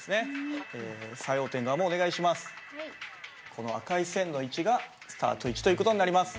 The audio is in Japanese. この赤い線の位置がスタート位置という事になります。